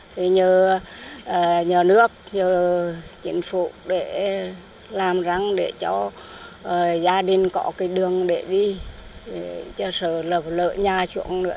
thì nhờ nhà nước nhờ chính phủ để làm răng để cho gia đình có cái đường để đi cho sở là lỡ nhà xuống nữa